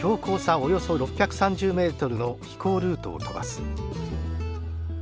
およそ６３０ｍの飛行ルートを飛ばす。